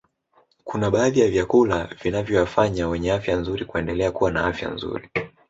Kuna baadhi ya vyakula vinavyowafanya wenye afya nzuri kuendelea kuwa na afya nzuri